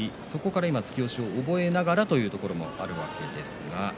突き押しを覚えながらというところです。